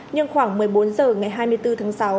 nhưng khoảng một mươi bốn h ngày hai mươi bốn tháng sáu